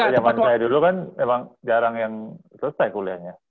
zaman saya dulu kan memang jarang yang selesai kuliahnya